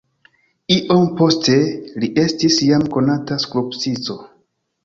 Iom poste li estis jam konata skulptisto.